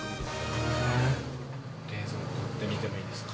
冷蔵庫の中って、見てもいいですか？